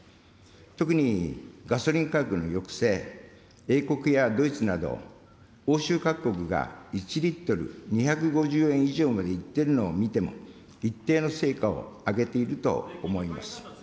特にガソリン価格の抑制、英国やドイツなど、欧州各国が１リットル２５０円以上までいっているのを見ても、一定の成果を上げていると思います。